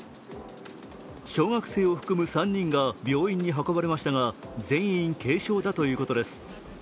小学生を含む３人が病院に運ばれましたが全員軽傷だということです。